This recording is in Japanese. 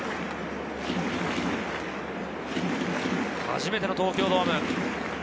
初めての東京ドーム。